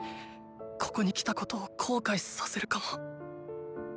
ここに来たことを後悔させるかも！